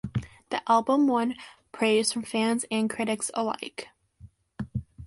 The album won praise from fans and critics alike.